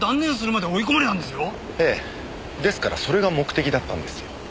ええですからそれが目的だったんですよ。